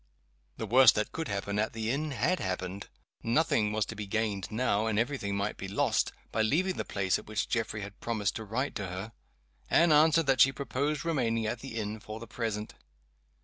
The worst that could happen at the inn had happened. Nothing was to be gained now and every thing might be lost by leaving the place at which Geoffrey had promised to write to her. Anne answered that she proposed remaining at the inn for the present.